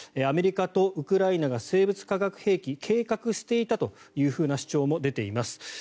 アメリカとウクライナが生物・化学兵器を計画をしていたという主張も出ています。